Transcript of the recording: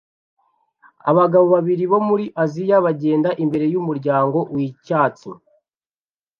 abagore babiri bo muri Aziya bagenda imbere yumuryango wicyatsi